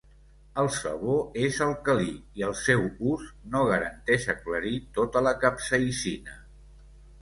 El Sabó és alcalí, i el seu ús no garanteix aclarir tota la capsaïcina.